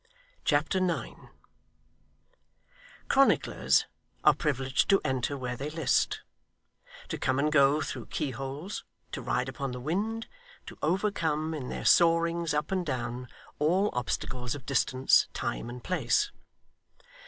Chapter 9 Chronicler's are privileged to enter where they list, to come and go through keyholes, to ride upon the wind, to overcome, in their soarings up and down, all obstacles of distance, time, and place.